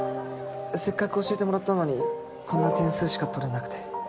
せっかく教えてもらったのにこんな点数しか取れなくて。